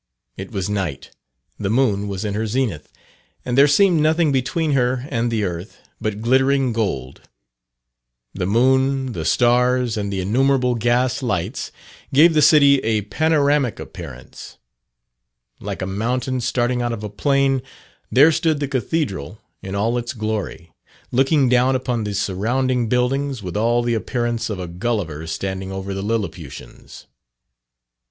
It was night, the moon was in her zenith, and there seemed nothing between her and the earth but glittering gold. The moon, the stars, and the innumerable gas lights, gave the city a panoramic appearance. Like a mountain starting out of a plain, there stood the Cathedral in all its glory, looking down upon the surrounding buildings, with all the appearance of a Gulliver standing over the Lilliputians.